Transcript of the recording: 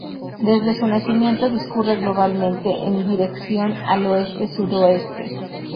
Desde su nacimiento, discurre globalmente en dirección al oeste-sudoeste.